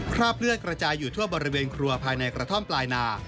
คราบเลือดกระจายอยู่ทั่วบริเวณครัวภายในกระท่อมปลายนา